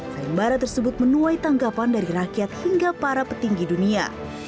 sayembara tersebut menuai tanggapan dari rakyat hingga para petinggi dunia